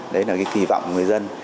đấy là cái kỳ vọng của người dân